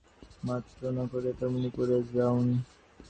যেমন সামনে আসিবে, খুঁত খুঁত কিছু মাত্র না করিয়া তেমনই করিয়া যাউন।